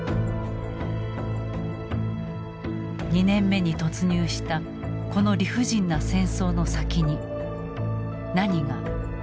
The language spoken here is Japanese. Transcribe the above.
２年目に突入したこの理不尽な戦争の先に何が待ち受けているのか。